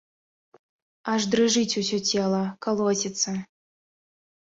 Аж дрыжыць усё цела, калоціцца.